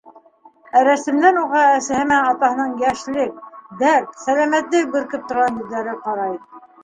Ә рәсемдән уға әсәһе менән атаһының йәшлек, дәрт, сәләмәтлек бөркөп торған йөҙҙәре ҡарай.